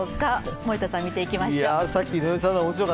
森田さん、見ていきましょう。